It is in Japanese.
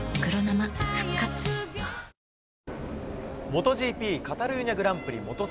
モトＧＰカタルーニャグラン